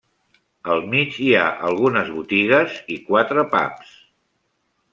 Al mig hi ha algunes botigues i quatre pubs.